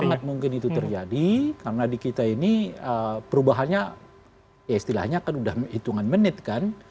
sangat mungkin itu terjadi karena di kita ini perubahannya ya istilahnya kan udah hitungan menit kan